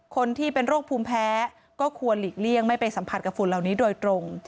คนที่เป็นโรคภูมิแพ้ก็ควรหลีกเลี่ยงไม่ไปสัมผัสกับฝุ่นเหล่านี้โดยตรง